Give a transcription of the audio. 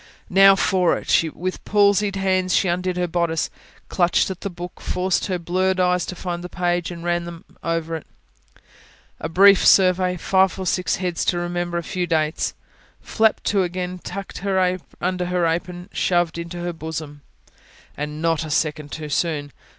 Now for it! With palsied hands she undid her bodice, clutched at the book, forced her blurred eyes to find the page, and ran them over it. A brief survey: five or six heads to remember: a few dates. Flapped to again; tucked under her apron; shoved into her bosom. And not a second too soon.